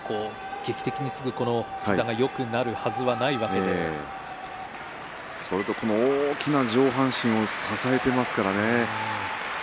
劇的に膝がよくなるわけでは大きな上半身を支えていますからね。